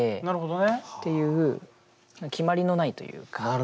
なるほどね。っていう決まりのないというか。